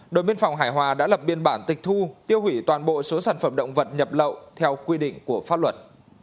đội biên phòng hải hòa đã lập biên bản tịch thu tiêu hủy toàn bộ số sản phẩm động vật nhập lậu theo quy định của pháp luật